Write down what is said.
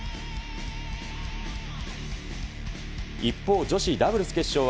一方、女子ダブルス決勝は、